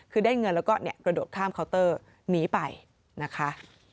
คือได้เงินแล้วก็กระโดดข้ามเคาน์เตอร์หนีไปนะคะ